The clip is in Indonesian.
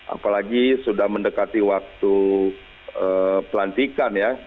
apalagi sudah mendekati waktu pelantikan ya